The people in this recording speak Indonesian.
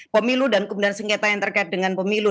pemilu dan kemudian sengketa yang terkait dengan pemilu